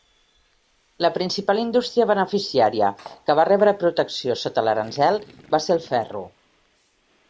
La principal indústria beneficiària que va rebre protecció sota l'aranzel va ser el ferro.